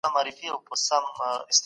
موږ باید د حق د ساتني دپاره بېدار واوسو.